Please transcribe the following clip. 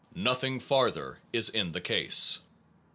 Nothing farther is in the case.